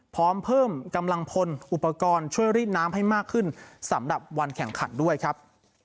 พร้อมเพิ่มกำลังพลอุปกรณ์ช่วยรีดน้ำให้มากขึ้นสำหรับวันแข่งขันด้วยครับ